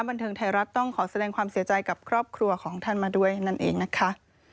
บันเทิงไทยรัฐต้องขอแสดงความเสียใจกับครอบครัวของท่านมาด้วยนั่นเองนะคะ